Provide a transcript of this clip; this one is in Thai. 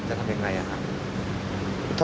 จะทำอย่างไรครับ